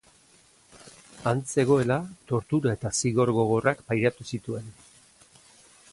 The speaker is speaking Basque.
Han zegoela, tortura eta zigor gogorrak pairatu zituen.